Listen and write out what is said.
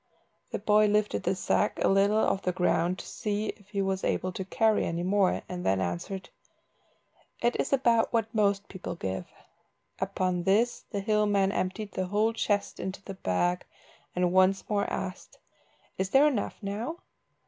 The boy lifted the sack a little off the ground to see if he was able to carry any more, and then answered "It is about what most people give." Upon this the hill man emptied the whole chest into the bag, and once more asked "Is there enough now?"